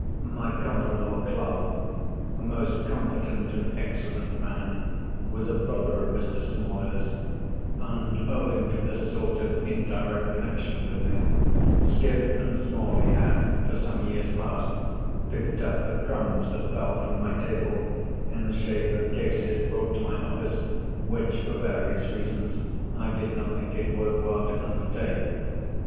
My common law clerk (a most competent and excellent man) was a brother of Mr. Smalley's; and, owing to this sort of indirect connection with me, Skipp and Smalley had, for some years past, picked up the crumbs that fell from my table, in the shape of cases brought to my office, which, for various reasons, I did not think it worth while to undertake.